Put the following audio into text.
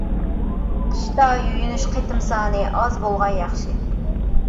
قىشتا يۇيۇنۇش قېتىم سانى ئاز بولغان ياخشى.